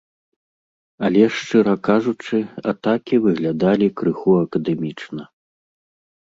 Але, шчыра кажучы, атакі выглядалі крыху акадэмічна.